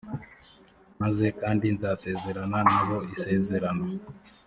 maze kandi nzasezerana na bo isezerano